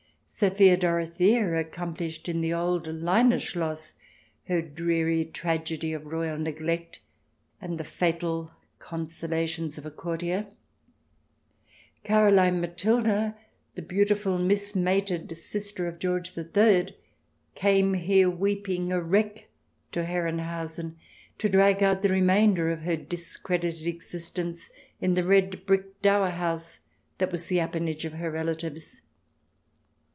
Sophia Dorothea accomplished in the old Leine Schloss her dreary tragedy of royal neglect and the fatal consolations of a courtier, Caroline Matilda, the beautiful mismated sister of George III, came here weeping, a wreck, to Herrenhausen to drag out the remainder of her discredited exis tence in the red brick dower house that was the appanage of her relatives.